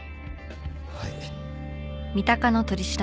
はい。